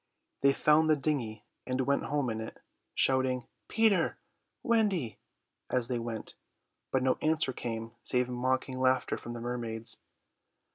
They found the dinghy and went home in it, shouting "Peter, Wendy" as they went, but no answer came save mocking laughter from the mermaids.